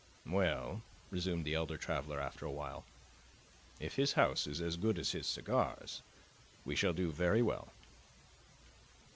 "Well," resumed the elder traveler after a while, "if his house is as good as his cigars, we shall do very well."